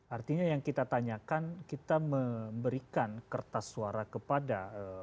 artinya yang kita tanyakan kita memberikan kertas suara kepada